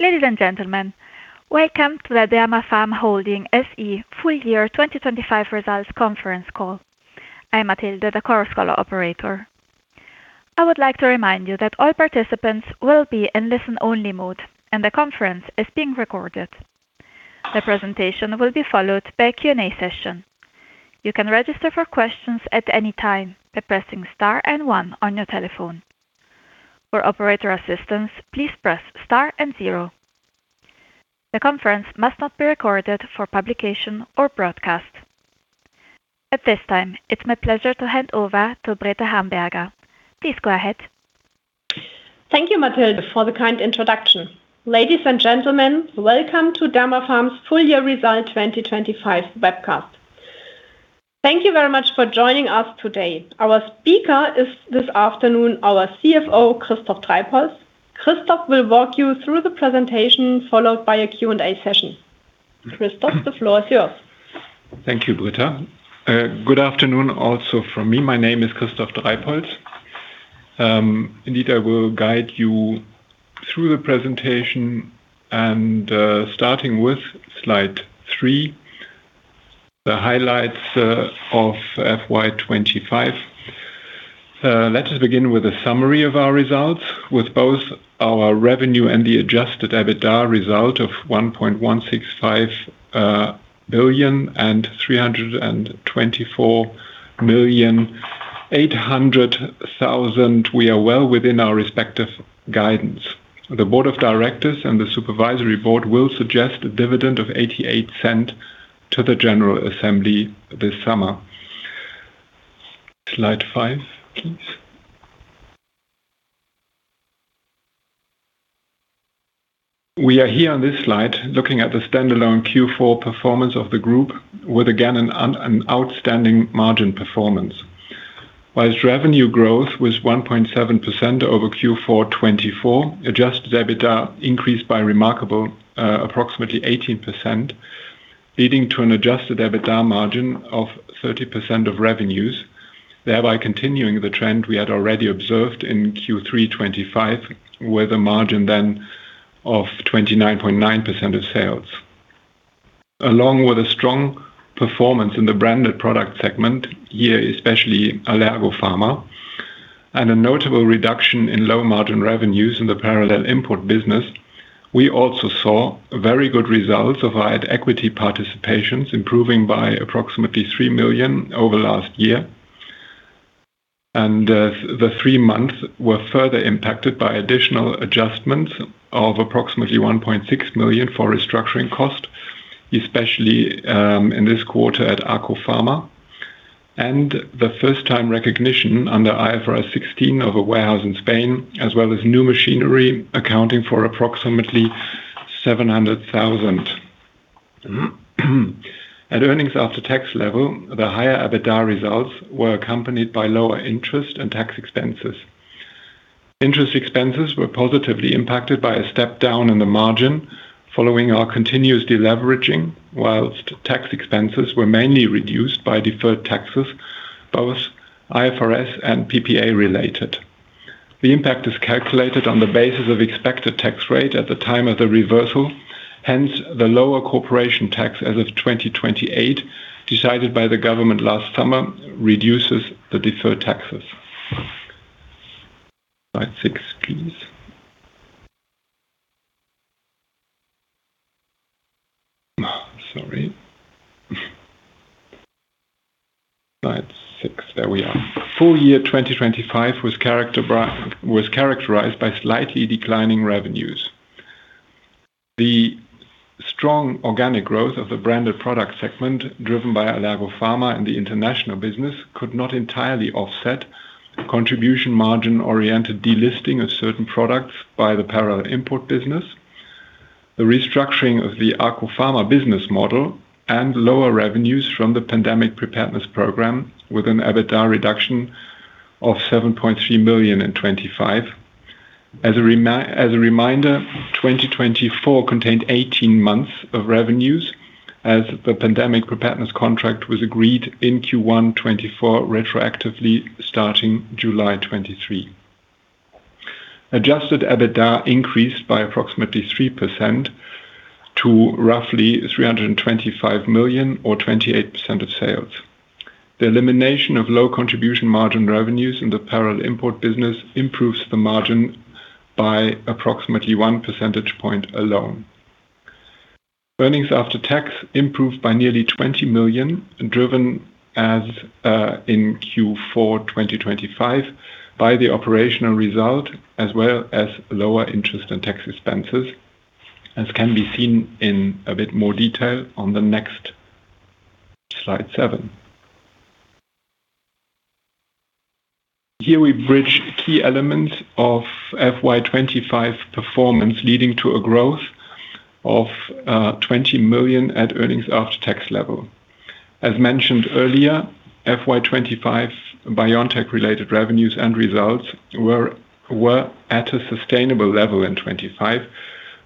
Ladies and gentlemen, welcome to the Dermapharm Holding SE full-year 2025 results conference call. I'm Matilde, the operator. I would like to remind you that all participants will be in listen-only mode, and the conference is being recorded. The presentation will be followed by a Q&A session. You can register for questions at any time by pressing star and one on your telephone. For operator assistance, please press star and zero. The conference must not be recorded for publication or broadcast. At this time, it's my pleasure to hand over to Britta Hamberger. Please go ahead. Thank you, Matilde, for the kind introduction. Ladies and gentlemen, welcome to Dermapharm's full-year result 2025 webcast. Thank you very much for joining us today. Our speaker is this afternoon our CFO, Christof Dreibholz. Christof will walk you through the presentation, followed by a Q&A session. Christof, the floor is yours. Thank you, Britta. Good afternoon also from me. My name is Christof Dreibholz. Indeed, I will guide you through the presentation and, starting with slide three, the highlights of FY 2025. Let us begin with a summary of our results. With both our revenue and the adjusted EBITDA result of 1.165 billion and 324.8 million, we are well within our respective guidance. The board of directors and the supervisory board will suggest a dividend of 0.88 to the general assembly this summer. Slide five, please. We are here on this slide looking at the standalone Q4 performance of the group with again an outstanding margin performance. While revenue growth was 1.7% over Q4 2024, adjusted EBITDA increased by a remarkable approximately 18%, leading to an adjusted EBITDA margin of 30% of revenues, thereby continuing the trend we had already observed in Q3 2025, with a margin then of 29.9% of sales. Along with a strong performance in the branded product segment, here especially Allergopharma, and a notable reduction in low margin revenues in the parallel import business, we also saw very good results of our at-equity participations improving by approximately 3 million over last year. The three months were further impacted by additional adjustments of approximately 1.6 million for restructuring cost, especially in this quarter at Arkopharma, and the first time recognition under IFRS 16 of a warehouse in Spain, as well as new machinery accounting for approximately 700,000. At earnings after tax level, the higher EBITDA results were accompanied by lower interest and tax expenses. Interest expenses were positively impacted by a step down in the margin following our continuous deleveraging, while tax expenses were mainly reduced by deferred taxes, both IFRS and PPA related. The impact is calculated on the basis of expected tax rate at the time of the reversal, hence the lower corporation tax as of 2028 decided by the government last summer reduces the deferred taxes. Slide six, please. Sorry. Slide six. There we are. Full-year 2025 was characterized by slightly declining revenues. The strong organic growth of the branded product segment driven by Allergopharma and the international business could not entirely offset contribution margin-oriented delisting of certain products by the parallel import business, the restructuring of the Arkopharma business model and lower revenues from the Pandemic Preparedness program, with an EBITDA reduction of 7.3 million in 2025. As a reminder, 2024 contained 18 months of revenues as the Pandemic Preparedness contract was agreed in Q1 2024, retroactively starting July 2023. Adjusted EBITDA increased by approximately 3% to roughly 325 million or 28% of sales. The elimination of low contribution margin revenues in the parallel import business improves the margin by approximately 1 percentage point alone. Earnings after tax improved by nearly 20 million, driven as in Q4 2025 by the operational result as well as lower interest and tax expenses, as can be seen in a bit more detail on the next slide seven. Here we bridge key elements of FY 2025 performance leading to a growth of 20 million at earnings after tax level. As mentioned earlier, FY 2025 BioNTech related revenues and results were at a sustainable level in 2025.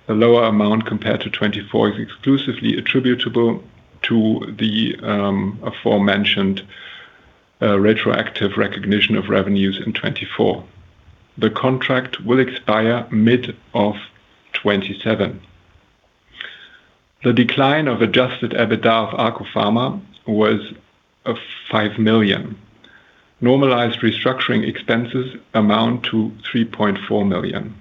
The lower amount compared to 2024 is exclusively attributable to the aforementioned retroactive recognition of revenues in 2024. The contract will expire mid of 2027. The decline of adjusted EBITDA of Arkopharma was of 5 million. Normalized restructuring expenses amount to 3.4 million.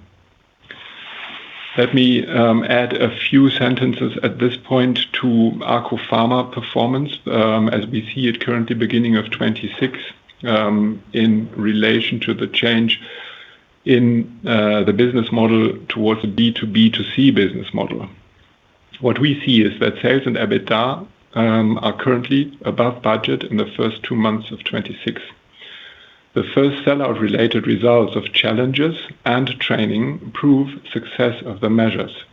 Let me add a few sentences at this point to Arkopharma performance, as we see it currently beginning of 2026, in relation to the change in the business model towards a B2B2C business model. What we see is that sales and EBITDA are currently above budget in the first two months of 2026. The first sellout related results of challenges and training prove success of the measures.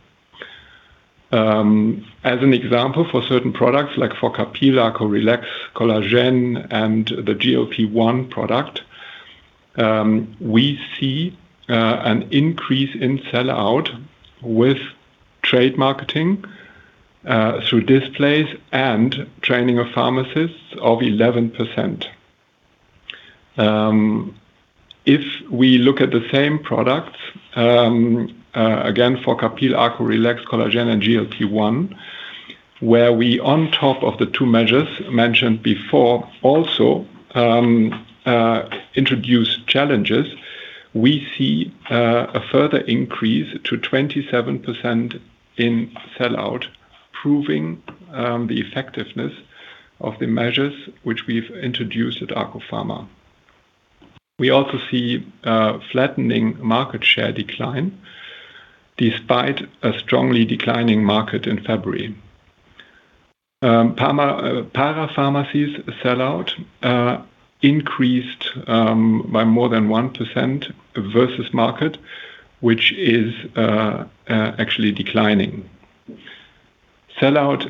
As an example, for certain products like Forcapil, Arkorelax, Collagen, and the GLP-1 product, we see an increase in sellout with trade marketing through displays and training of pharmacists of 11%. If we look at the same products, again, Forcapil, Aquarelax, Collagen, and GLP-1, where we on top of the two measures mentioned before also introduce challenges, we see a further increase to 27% in sellout, proving the effectiveness of the measures which we've introduced at Arkopharma. We also see a flattening market share decline despite a strongly declining market in February. Parapharmacies sellout increased by more than 1% versus market, which is actually declining. Sellout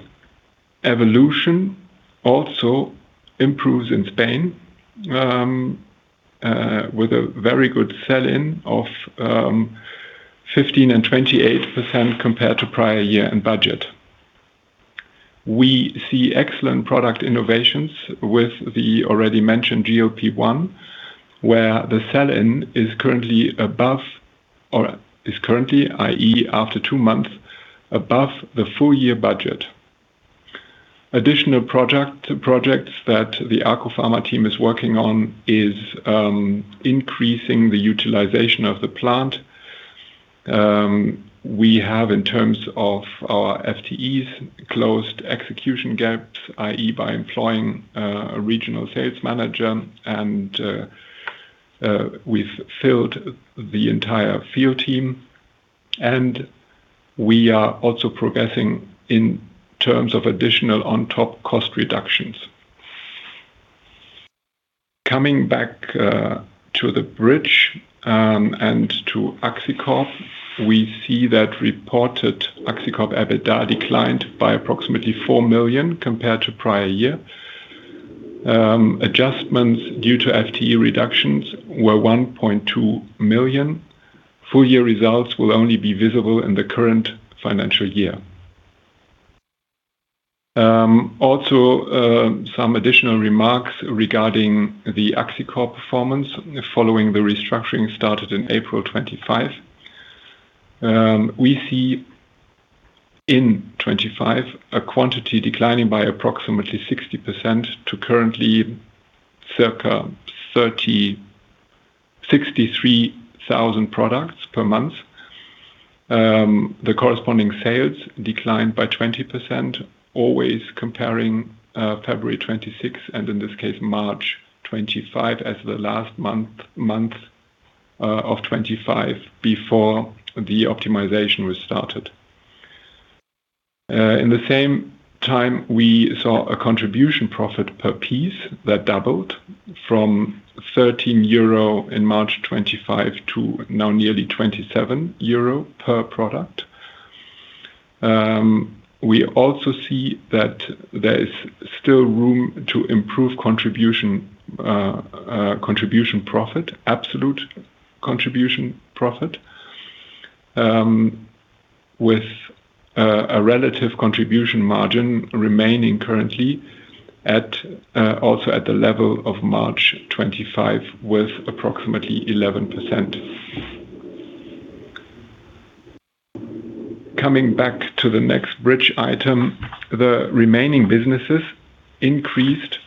evolution also improves in Spain with a very good sell-in of 15% and 28% compared to prior year and budget. We see excellent product innovations with the already mentioned GLP-1, where the sell-in is currently, i.e., after two months, above the full-year budget. Additional projects that the Arkopharma team is working on is increasing the utilization of the plant. We have in terms of our FTEs closed execution gaps, i.e., by employing a regional sales manager, and we've filled the entire field team. We are also progressing in terms of additional on top cost reductions. Coming back to the bridge and to axicorp, we see that reported axicorp EBITDA declined by approximately 4 million compared to prior year. Adjustments due to FTE reductions were 1.2 million. Full-year results will only be visible in the current financial year. Also, some additional remarks regarding the axicorp performance following the restructuring started in April 2025. We see in 2025 a quantity declining by approximately 60% to currently circa 63,000 products per month. The corresponding sales declined by 20%, always comparing February 2026 and in this case March 2025 as the last month of 2025 before the optimization was started. In the same time, we saw a contribution profit per piece that doubled from 13 euro in March 2025 to now nearly 27 euro per product. We also see that there is still room to improve contribution profit, absolute contribution profit, with a relative contribution margin remaining currently at also at the level of March 2025 with approximately 11%. Coming back to the next bridge item, the remaining businesses increased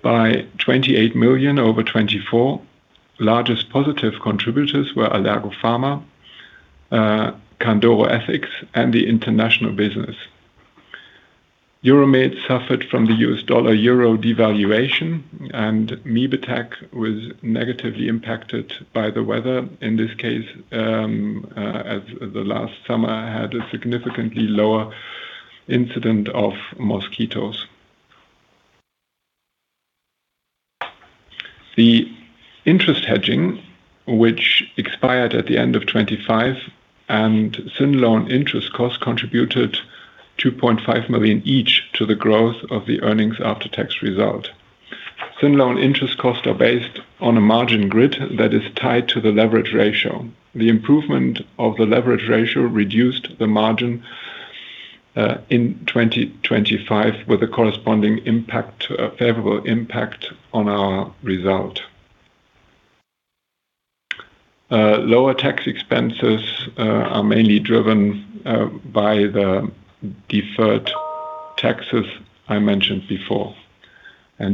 by 28 million over 2024. Largest positive contributors were Allergopharma, Candoro Ethics, and the international business. Euromed suffered from the USD-euro devaluation, and mibeTec was negatively impacted by the weather. In this case, as the last summer had a significantly lower incidence of mosquitoes. The interest hedging, which expired at the end of 2025 and syndicated loan interest costs contributed 2.5 million each to the growth of the earnings after tax result. Syndicated loan interest costs are based on a margin grid that is tied to the leverage ratio. The improvement of the leverage ratio reduced the margin in 2025 with a corresponding impact to a favorable impact on our result. Lower tax expenses are mainly driven by the deferred taxes I mentioned before.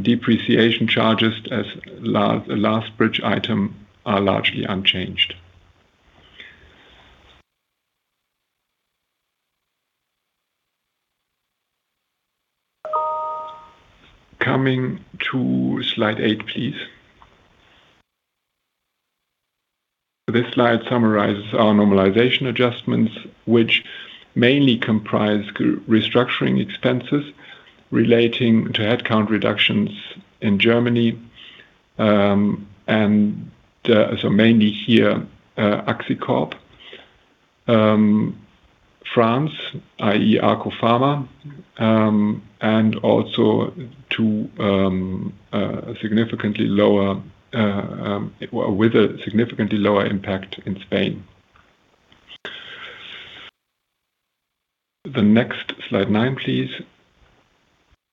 Depreciation charges as the last bridge item are largely unchanged. Coming to slide eight, please. This slide summarizes our normalization adjustments, which mainly comprise restructuring expenses relating to headcount reductions in Germany, and so mainly here, axicorp. France, i.e. Arkopharma and also to significantly lower with a significantly lower impact in Spain. The next slide nine, please.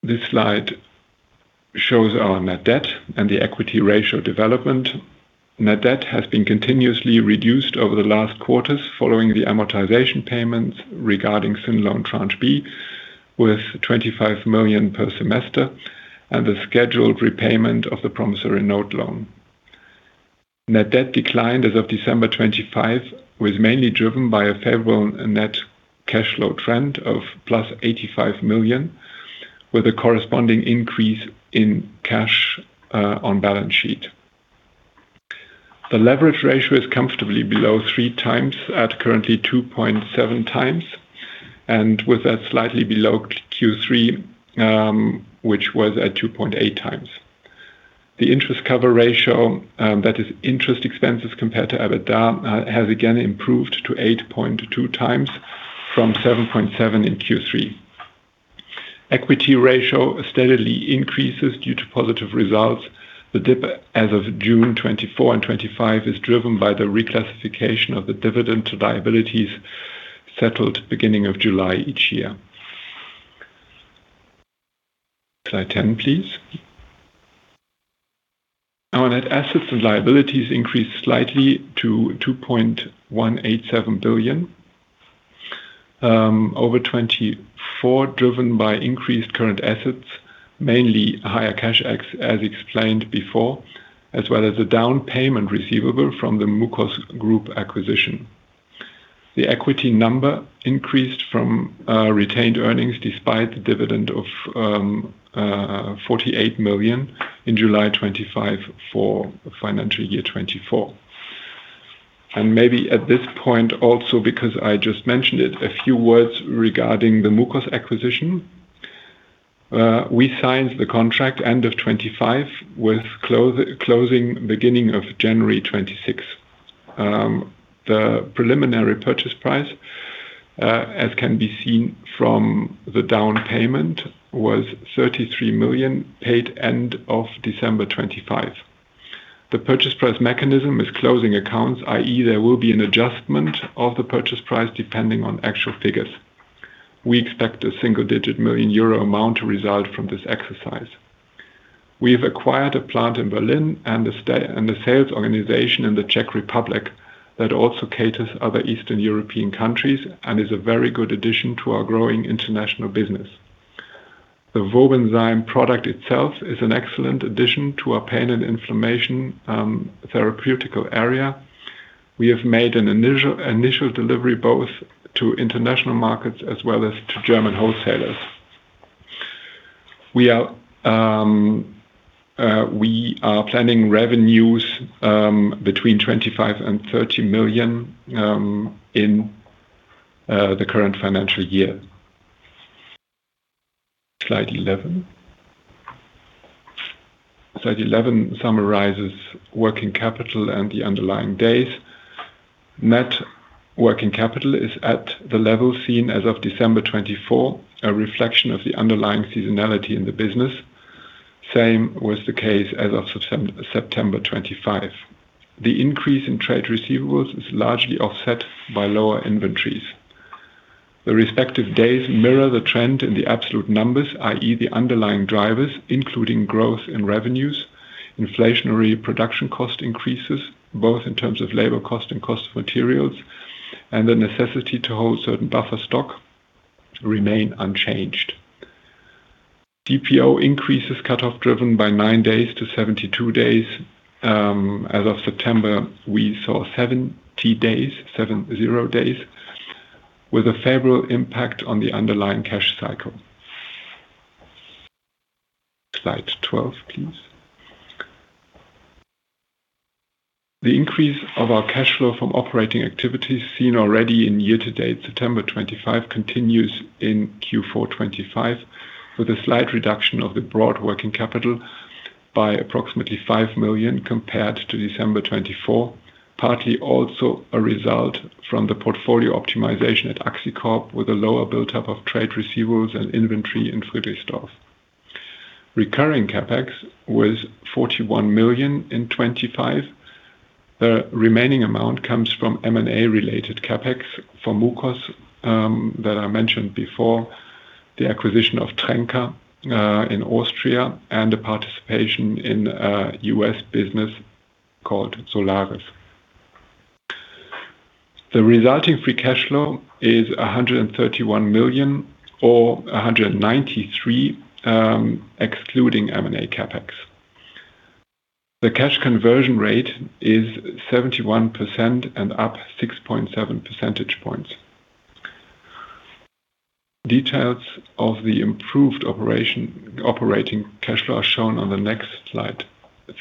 This slide shows our net debt and the equity ratio development. Net debt has been continuously reduced over the last quarters following the amortization payments regarding syndicated loan Tranche B with 25 million per semester and the scheduled repayment of the promissory note loan. Net debt declined as of December 2025, was mainly driven by a favorable net cash flow trend of +85 million, with a corresponding increase in cash on balance sheet. The leverage ratio is comfortably below 3x at currently 2.7x and with that slightly below Q3, which was at 2.8x. The interest cover ratio, that is interest expenses compared to EBITDA, has again improved to 8.2x from 7.7 in Q3. Equity ratio steadily increases due to positive results. The dip as of June 2024 and 2025 is driven by the reclassification of the dividend to liabilities settled beginning of July each year. Slide 10, please. Our net assets and liabilities increased slightly to 2.187 billion over 2024, driven by increased current assets, mainly higher cash, as explained before, as well as a down payment receivable from the Mucos Group acquisition. The equity number increased from retained earnings despite the dividend of 48 million in July 2025 for financial year 2024. Maybe at this point also because I just mentioned it, a few words regarding the Mucos acquisition. We signed the contract end of 2025 with closing beginning of January 26th. The preliminary purchase price, as can be seen from the down payment, was 33 million paid end of December 2025. The purchase price mechanism is closing accounts, i.e. there will be an adjustment of the purchase price depending on actual figures. We expect a single-digit million EUR amount to result from this exercise. We have acquired a plant in Berlin and the sales organization in the Czech Republic that also caters other Eastern European countries and is a very good addition to our growing international business. The Wobenzym product itself is an excellent addition to our pain and inflammation therapeutic area. We have made an initial delivery both to international markets as well as to German wholesalers. We are planning revenues between 25 million and 30 million in the current financial year. Slide 11. Slide 11 summarizes working capital and the underlying days. Net working capital is at the level seen as of December 2024, a reflection of the underlying seasonality in the business. Same was the case as of September 2025. The increase in trade receivables is largely offset by lower inventories. The respective days mirror the trend in the absolute numbers, i.e. the underlying drivers, including growth in revenues, inflationary production cost increases, both in terms of labor cost and cost of materials, and the necessity to hold certain buffer stock remain unchanged. DPO increased by nine days to 72 days. As of September, we saw 70 days, with a favorable impact on the underlying cash cycle. Slide 12, please. The increase of our cash flow from operating activities seen already in year-to-date September 2025 continues in Q4 2025, with a slight reduction of the broad working capital by approximately 5 million compared to December 2024, partly also a result from the portfolio optimization at axicorp with a lower buildup of trade receivables and inventory in Friedrichsdorf. Recurring CapEx was 41 million in 2025. The remaining amount comes from M&A related CapEx for Mucos, that I mentioned before, the acquisition of Trenka, in Austria, and a participation in a U.S. business called Solaris. The resulting free cash flow is 131 million or 193 million, excluding M&A CapEx. The cash conversion rate is 71% and up 6.7 percentage points. Details of the improved operating cash flow are shown on the next slide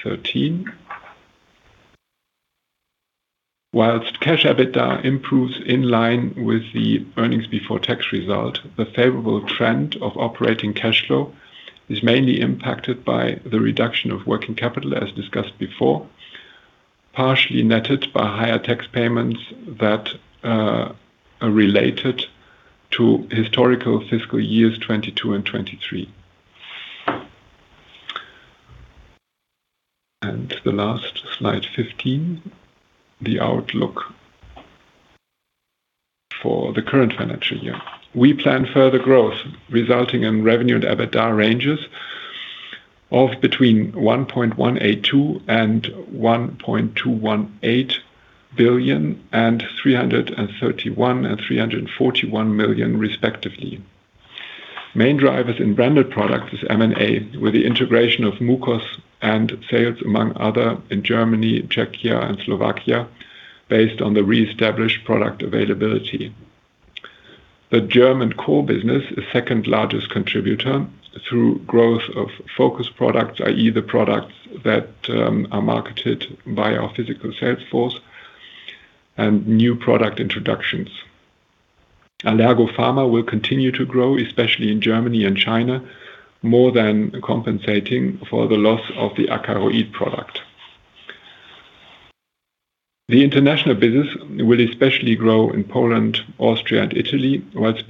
13. Whilst cash EBITDA improves in line with the earnings before tax result, the favorable trend of operating cash flow is mainly impacted by the reduction of working capital, as discussed before, partially netted by higher tax payments that are related to historical fiscal years 2022 and 2023. The last slide 15, the outlook for the current financial year. We plan further growth resulting in revenue and EBITDA ranges of between 1.182 billion and 1.218 billion and 331 million and 341 million respectively. Main drivers in Branded Products is M&A, with the integration of Mucos and sales among other in Germany, Czechia and Slovakia based on the reestablished product availability. The German core business is second largest contributor through growth of focused products, i.e. The products that are marketed by our physical sales force and new product introductions. Allergopharma will continue to grow, especially in Germany and China, more than compensating for the loss of the Acaroid product. The international business will especially grow in Poland, Austria and Italy, whilst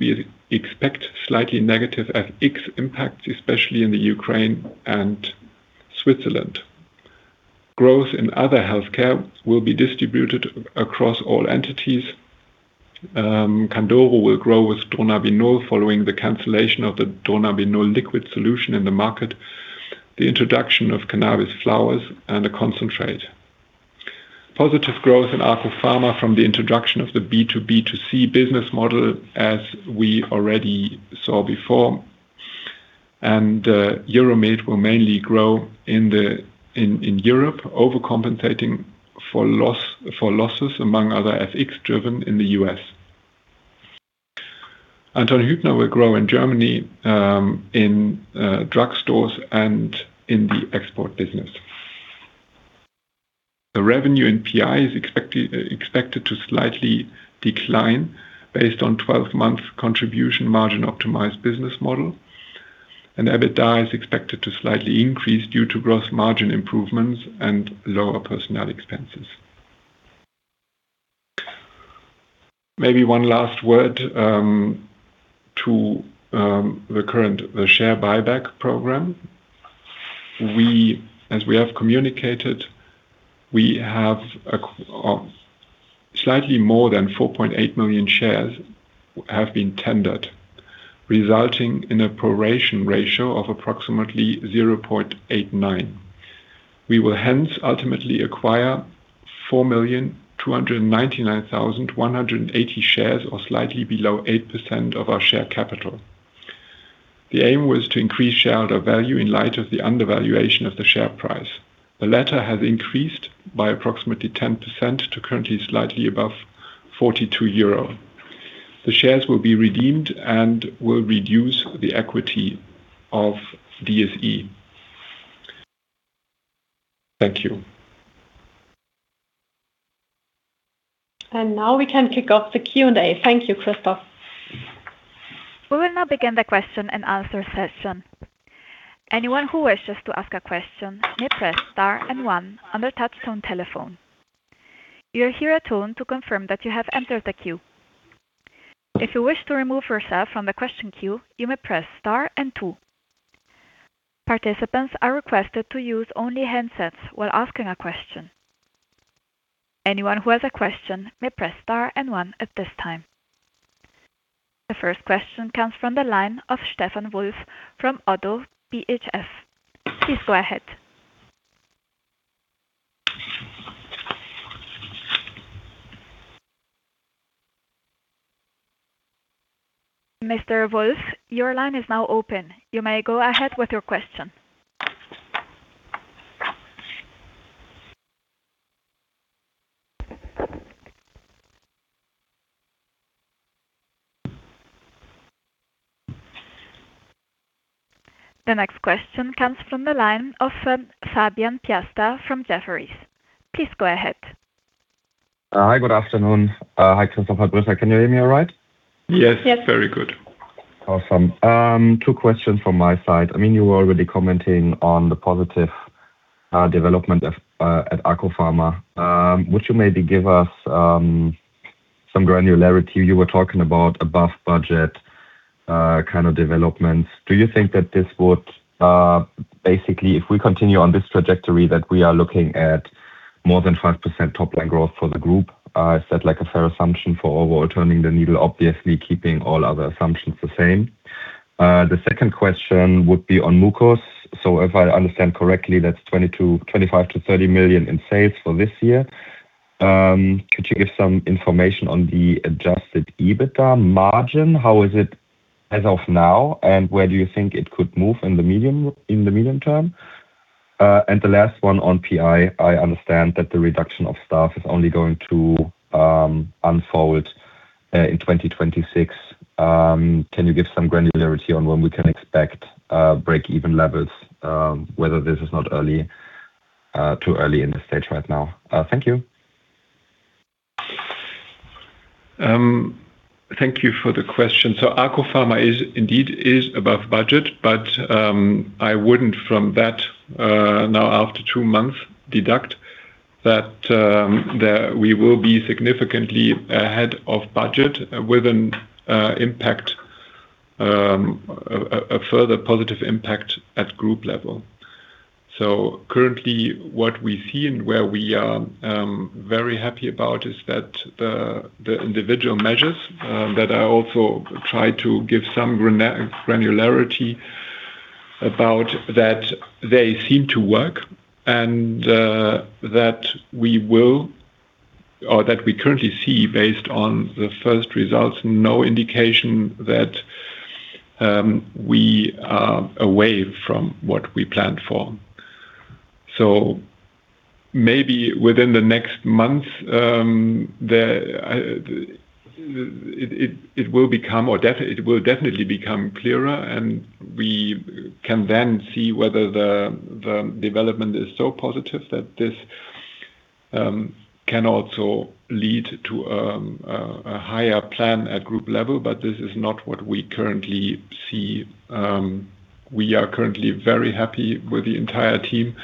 we expect slightly negative FX impacts, especially in the Ukraine and Switzerland. Growth in Other Healthcare will be distributed across all entities. Candoro will grow with Dronabinol following the cancellation of the Dronabinol liquid solution in the market, the introduction of cannabis flowers and a concentrate. Positive growth in Arkopharma from the introduction of the B2B2C business model, as we already saw before. Euromed will mainly grow in the, in Europe, overcompensating for loss, for losses among other FX driven in the US. Anton Hübner will grow in Germany, in drugstores and in the export business. The revenue in PI is expected to slightly decline based on 12-month contribution margin optimized business model. EBITDA is expected to slightly increase due to gross margin improvements and lower personnel expenses. Maybe one last word to the current share buyback program. We, as we have communicated, slightly more than 4.8 million shares have been tendered, resulting in a proration ratio of approximately 0.89. We will hence ultimately acquire 4,299,180 shares or slightly below 8% of our share capital. The aim was to increase shareholder value in light of the undervaluation of the share price. The latter has increased by approximately 10% to currently slightly above 42 euro. The shares will be redeemed and will reduce the equity of DSE. Thank you. Now we can kick off the Q&A. Thank you, Christof. We will now begin the question-and-answer session. Anyone who wishes to ask a question may press star and one on their touchtone telephone. You will hear a tone to confirm that you have entered the queue. If you wish to remove yourself from the question queue, you may press star and two. Participants are requested to use only handsets while asking a question. Anyone who has a question may press star and one at this time. The first question comes from the line of Stefan Wolf from ODDO BHF. Please go ahead. Mr. Wolf, your line is now open. You may go ahead with your question. The next question comes from the line of Fabian Piasta from Jefferies. Please go ahead. Hi, good afternoon. Can you hear me all right? Yes. Yes. Very good. Awesome. Two questions from my side. I mean, you were already commenting on the positive development of at Arkopharma. Would you maybe give us some granularity you were talking about above budget kind of developments. Do you think that this would basically, if we continue on this trajectory, that we are looking at more than 5% top-line growth for the group? Is that like a fair assumption for overall moving the needle, obviously keeping all other assumptions the same? The second question would be on Mucos. So if I understand correctly, that's 25 million-30 million in sales for this year. Could you give some information on the adjusted EBITDA margin? How is it as of now, and where do you think it could move in the medium term? The last one on PI, I understand that the reduction of staff is only going to unfold in 2026. Can you give some granularity on when we can expect break-even levels, whether this is too early in the stage right now? Thank you. Thank you for the question. Arkopharma is indeed above budget, but I wouldn't deduce from that, now after two months, that we will be significantly ahead of budget with an impact, a further positive impact at group level. Currently, what we see and where we are very happy about is that the individual measures that I also try to give some granularity about that they seem to work, and that we will or that we currently see based on the first results, no indication that we are away from what we planned for. Maybe within the next month, it will definitely become clearer, and we can then see whether the development is so positive that this can also lead to a higher plan at group level. This is not what we currently see. We are currently very happy with the entire team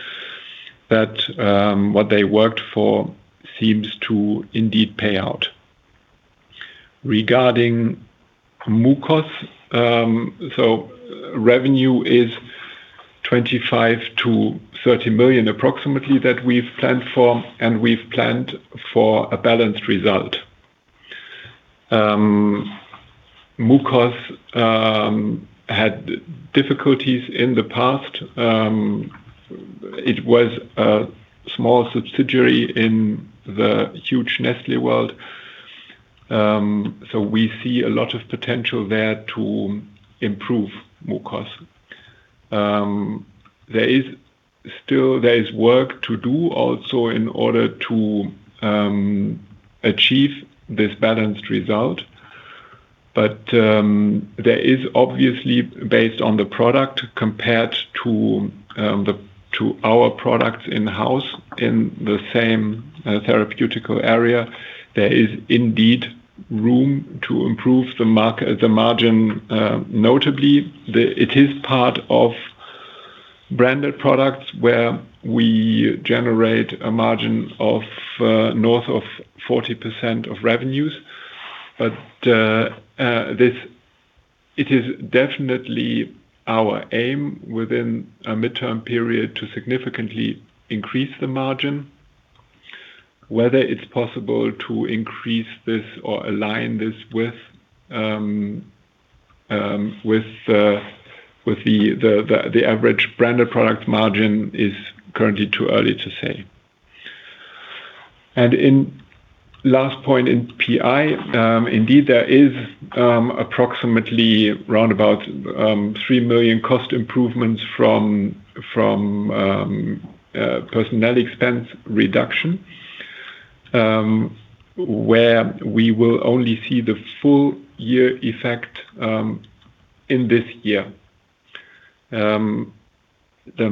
that what they worked for seems to indeed pay out. Regarding Mucos, revenue is 25 million-30 million approximately that we've planned for, and we've planned for a balanced result. Mucos had difficulties in the past. It was a small subsidiary in the huge Nestlé world, we see a lot of potential there to improve Mucos. There is work to do also in order to achieve this balanced result. There is obviously, based on the product, compared to our products in house in the same therapeutic area, there is indeed room to improve the margin, notably. It is part of branded products where we generate a margin of north of 40% of revenues. It is definitely our aim within a mid-term period to significantly increase the margin. Whether it's possible to increase this or align this with the average branded product margin is currently too early to say. In the last point in PI, indeed there is approximately roundabout 3 million cost improvements from personnel expense reduction, where we will only see the full-year effect in this year. This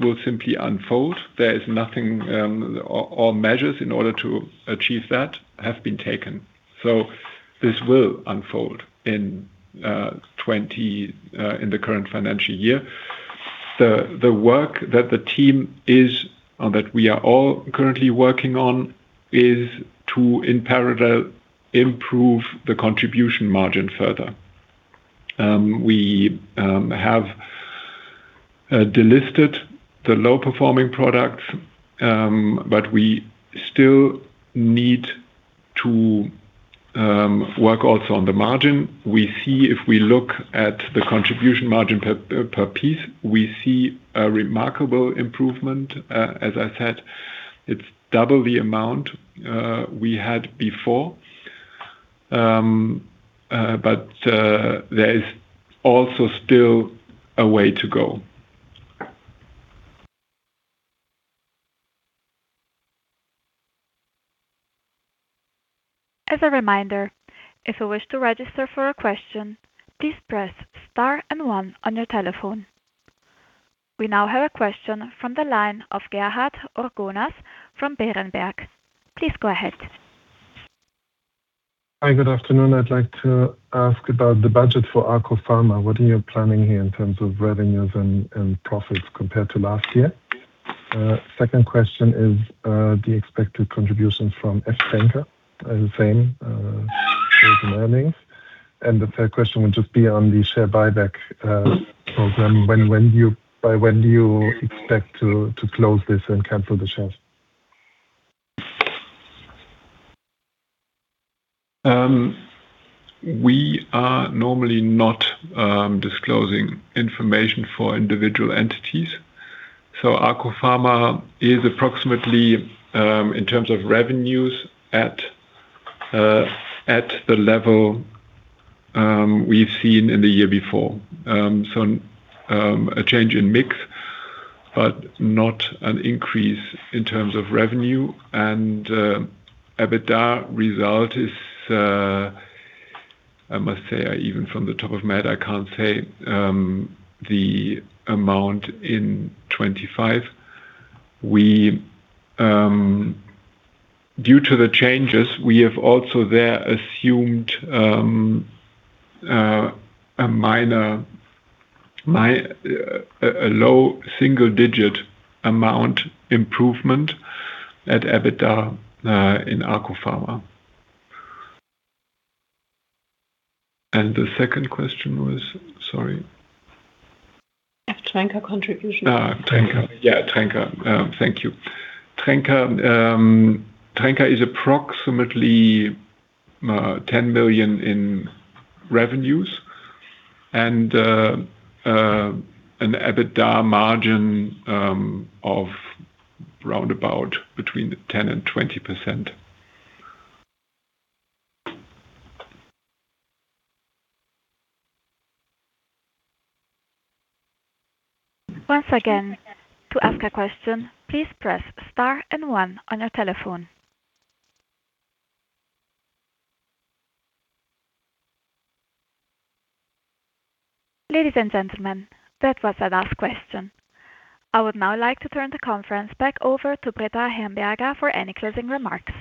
will simply unfold. There are no measures in order to achieve that have been taken. This will unfold in 2024, the current financial year. The work that we are all currently working on is to, in parallel, improve the contribution margin further. We have delisted the low-performing products, but we still need to work also on the margin. We see if we look at the contribution margin per piece, we see a remarkable improvement, as I said, it's double the amount we had before. But there is also still a way to go. As a reminder, if you wish to register for a question, please press Star and One on your telephone. We now have a question from the line of Gerhard Orgonas from Berenberg. Please go ahead. Hi, good afternoon. I'd like to ask about the budget for Arkopharma. What are you planning here in terms of revenues and profits compared to last year? Second question is the expected contributions from F. Trenka and segment earnings. The third question would just be on the share buyback program. By when do you expect to close this and cancel the shares? We are normally not disclosing information for individual entities. Arkopharma is approximately in terms of revenues at the level we've seen in the year before. A change in mix but not an increase in terms of revenue. EBITDA result is. I must say even from the top of my head, I can't say the amount in 2025. We due to the changes we have also there assumed a low single-digit amount improvement in EBITDA in Arkopharma. The second question was? Sorry. F. Trenka contribution. Thank you. Trenka is approximately 10 million in revenues and an EBITDA margin of roundabout between 10% and 20%. Once again, to ask a question, please press star and one on your telephone. Ladies and gentlemen, that was our last question. I would now like to turn the conference back over to Britta Hamberger for any closing remarks.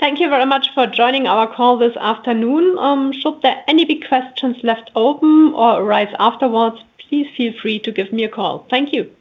Thank you very much for joining our call this afternoon. Should there be any questions left open or arise afterwards, please feel free to give me a call. Thank you.